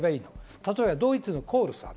例えばドイツのコールさん。